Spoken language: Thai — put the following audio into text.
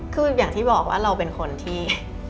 คืออย่างที่บอกว่าเราเป็นคนที่